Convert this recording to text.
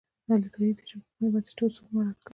عطایي د ژبپوهنې بنسټیز اصول مراعت کړي دي.